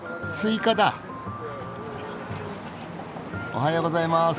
おはようございます。